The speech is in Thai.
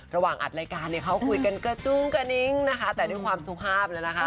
ระหว่างอัดรายการเนี่ยเขาคุยกันกระจุ้งกระนิ้งนะคะแต่ด้วยความสุภาพแล้วนะคะ